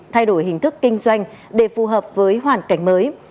thay đổi hình thức kinh doanh để phù hợp với hoàn cảnh mới